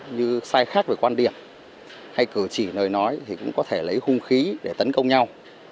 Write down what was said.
như sai khác về quan điểm hay cờ chỉ nơi nói thì cũng có thể lấy hung khí để tấn công nhau